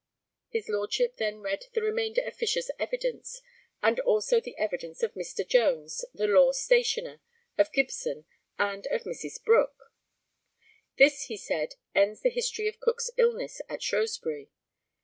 [His Lordship then read the remainder of Fisher's evidence, and also the evidence of Mr. Jones, the law stationer, of Gibson, and of Mrs. Brook.] This, he said, ends the history of Cook's illness at Shrewsbury.